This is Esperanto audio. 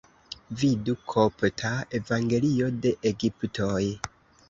Vidu Kopta Evangelio de Egiptoj.